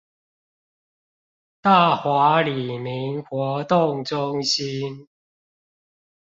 大華里民活動中心